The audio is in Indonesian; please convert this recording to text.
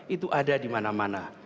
itu ada di mana mana